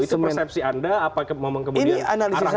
itu persepsi anda apa kemudian alangnya ke sana